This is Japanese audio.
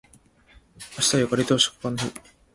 明日はゆかりと食パンの日